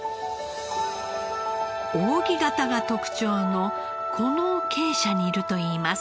扇形が特徴のこの鶏舎にいるといいます。